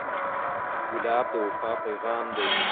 ګلاب د وفا پیغام دی.